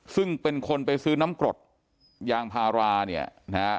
ซึ่งเป็นคนไปซื้อน้ำกรดยางพาราเนี่ยนะฮะ